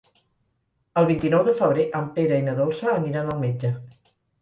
El vint-i-nou de febrer en Pere i na Dolça aniran al metge.